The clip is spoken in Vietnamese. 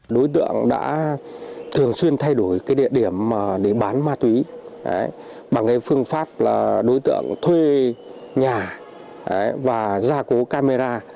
đối tượng thường xuyên thay đổi địa điểm để bán ma túy bằng phương pháp đối tượng thuê nhà và gia cố camera